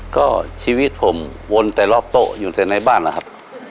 ก็ชีวิตผมวนแต่รอบโต๊ะอยู่แต่ในบ้านนะครับ